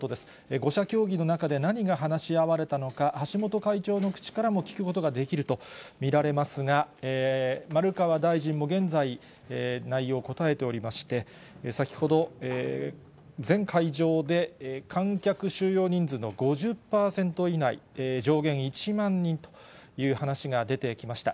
５者協議の中で何が話し合われたのか、橋本会長の口からも聞くことができると見られますが、丸川大臣も現在、内容を答えておりまして、先ほど、全会場で観客収容人数の５０％以内、上限１万人という話が出てきました。